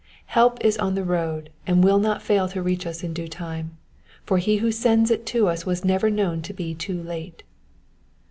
Help is on the road, and will not fail to reach us in due time, for he who sends it to us was never known to be too late.